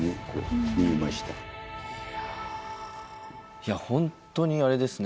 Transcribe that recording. いや本当にあれですね。